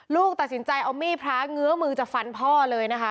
ลูกตัดสินใจเอามีดพระเงื้อมือจะฟันพ่อเลยนะคะ